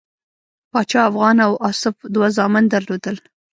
پاچا افغان او آصف دوه زامن درلودل.